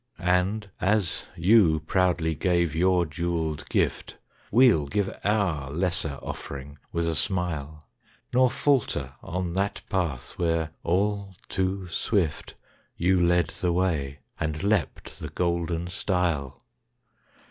And, as you proudly gave your jewelled gift, We'll give our lesser offering with a smile, Nor falter on that path where, all too swift, You led the way and leapt the golden stile.